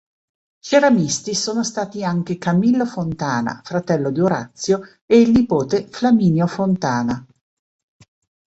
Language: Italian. Ceramisti sono stati anche Camillo Fontana, fratello di Orazio, e il nipote Flaminio Fontana.